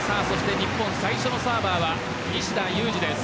日本最初のサーバーは西田有志です。